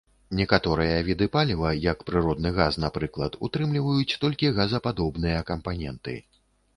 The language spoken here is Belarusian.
Некаторыя віды паліва, як прыродны газ, напрыклад, утрымліваць толькі газападобныя кампаненты.